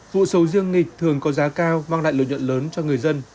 vụ sầu riêng nghịch thường có giá cao mang lại lợi nhuận lớn cho người dân